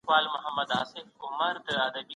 مایکرو فلم ریډر تر نورو وسایلو توري ښه ښکاره کوي.